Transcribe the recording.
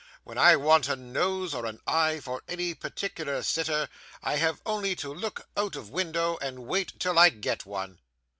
When I want a nose or an eye for any particular sitter, I have only to look out of window and wait till I get one.